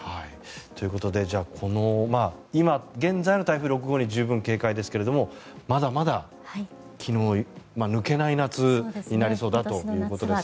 ということでこの今現在の台風６号に十分警戒ですがまだまだ気の抜けない夏になりそうだということですね。